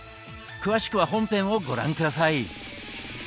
詳しくは本編をご覧下さい。